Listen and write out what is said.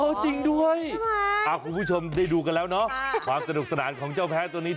จริงด้วยคุณผู้ชมได้ดูกันแล้วเนาะความสนุกสนานของเจ้าแพ้ตัวนี้